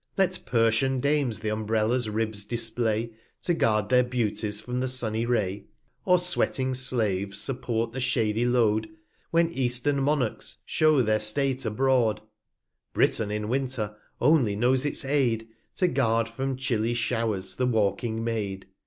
Let Tersian Dames th 5 Umbrellas Ribs display, To guard their Beauties from the sunny Ray; Or sweating Slaves support the shady Load, 215 When Eastern Monarchs shew their State abroad ; Britain in Winter only knows its Aid, To guard from chilly Show'rs the walking Maid.